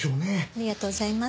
ありがとうございます。